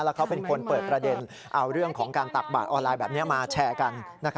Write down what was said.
แล้วเขาเป็นคนเปิดประเด็นเอาเรื่องของการตักบาดออนไลน์แบบนี้มาแชร์กัน